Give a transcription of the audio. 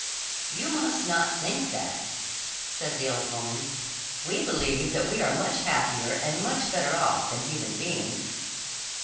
"You must not think that," said the old woman. "We believe that we are much happier and much better off than human beings."